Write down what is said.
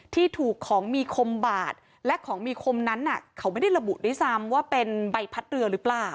ที่ถูกของมีคมบาดและของมีคมนั้นเขาไม่ได้ระบุด้วยซ้ำว่าเป็นใบพัดเรือหรือเปล่า